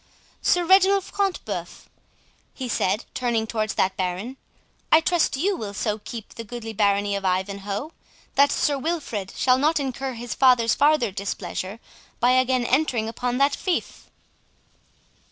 —Sir Reginald Front de Bœuf," he said, turning towards that Baron, "I trust you will so keep the goodly Barony of Ivanhoe, that Sir Wilfred shall not incur his father's farther displeasure by again entering upon that fief."